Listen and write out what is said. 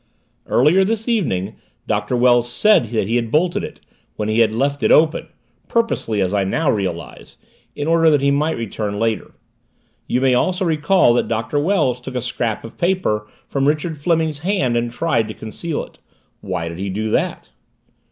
"Earlier this evening Doctor Wells said that he had bolted it, when he had left it open purposely, as I now realize, in order that he might return later. You may also recall that Doctor Wells took a scrap of paper from Richard Fleming's hand and tried to conceal it why did he do that?"